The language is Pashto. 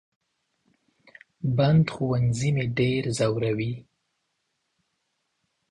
بند ښوونځي مې ډېر زوروي